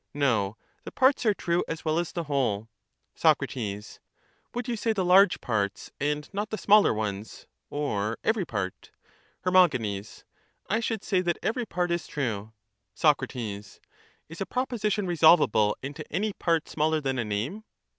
No ; the parts are true as well as the whole. ^c. Would you say the large parts and not the smaller ones, or every part? Her. I should say that every part is true. Soc. Is a proposition resolvable into any part smaller than a name?